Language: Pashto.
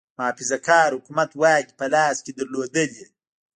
محافظه کار حکومت واګې په لاس کې لرلې.